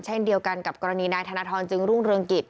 เช่นเดียวกันกับกรณีนายธนทรจึงรุ่งเรืองกิจ